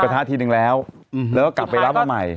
กระโดดจูบเลยปุ่มก็เลยตัดสินใจ